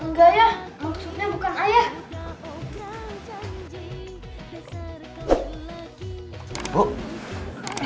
enggak ayah maksudnya bukan ayah